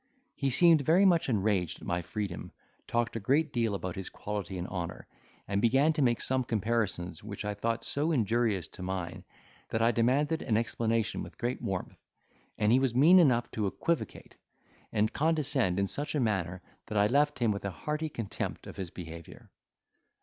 He seemed very much enraged at my freedom, talked a great deal about his quality and honour, and began to make some comparisons which I thought so injurious to mine, that I demanded an explanation with great warmth, and he was mean enough to equivocate, and condescend in such a manner that I left him with a hearty contempt of his behaviour.